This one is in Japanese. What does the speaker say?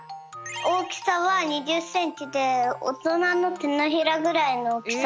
おおきさは２０センチでおとなのてのひらぐらいのおおきさだよ。